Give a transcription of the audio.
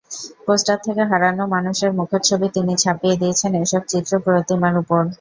Poster থেকে হারানো মানুষের মুখচ্ছবি তিনি ছাপিয়ে দিয়েছেন এসব চিত্রপ্রতিমার ওপর।